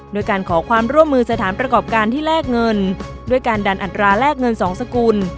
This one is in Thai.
ด้วยการขอความร่วมมือสถานประกอบการที่แลกเงินด้วยการดันอัตราแลกเงินสองสกุล